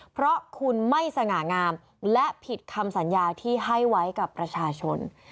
เพราะคุณไม่สง่างามและผิดคำสัญญาที่ให้ไว้กับประชาชน